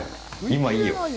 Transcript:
今、いいよ。